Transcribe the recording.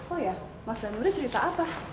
oh ya mas danuri cerita apa